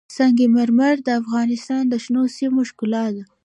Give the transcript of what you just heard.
سنگ مرمر د افغانستان د شنو سیمو ښکلا ده.